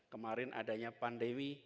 kemarin adanya pandemi